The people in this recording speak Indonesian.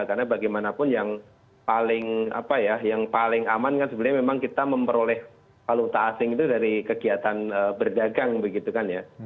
karena bagaimanapun yang paling aman kan sebenarnya memang kita memperoleh hal hal tak asing itu dari kegiatan berdagang begitu kan ya